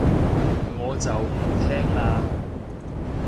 我就唔聽喇